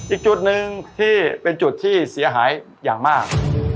อีกจุดหนึ่งที่เป็นจุดที่เสียหายอย่างมาก